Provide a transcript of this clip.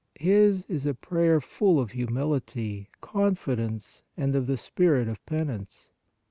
His is a prayer full of humility, con fidence and of the spirit of penance.